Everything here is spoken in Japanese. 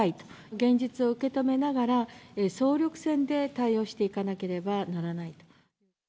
現実を受け止めながら、総力戦で対応していかなければならないと。